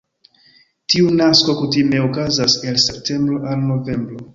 Tiu nasko kutime okazas el septembro al novembro.